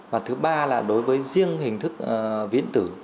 và thứ ba là đối với riêng hình thức viễn tử